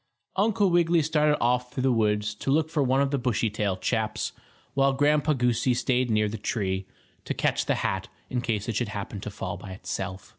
Uncle Wiggily started off through the woods to look for one of the Bushytail chaps, while Grandpa Goosey stayed near the tree, to catch the hat in case it should happen to fall by itself.